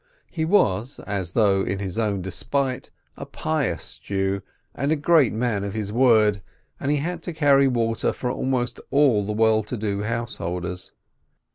He was, as though in his own despite, a pious Jew and a great man of his word, and he had to carry water for almost all the well to do householders.